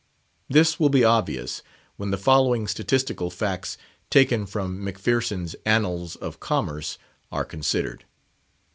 This will be obvious, when the following statistical facts, taken from Macpherson's Annals of Commerce, are considered.